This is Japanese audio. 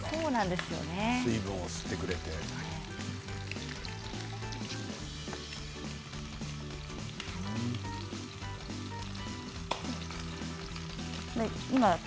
水分を吸ってくれてね。